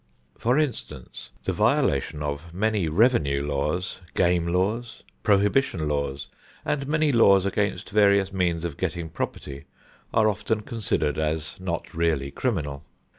For instance, the violations of many revenue laws, game laws, prohibition laws, and many laws against various means of getting property are often considered as not really criminal.